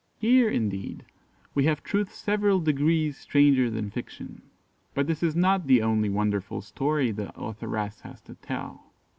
Here, indeed, we have truth several degrees stranger than fiction; but this is not the only wonderful story the authoress has to tell.